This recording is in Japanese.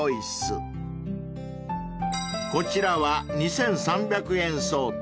［こちらは２，３００円相当］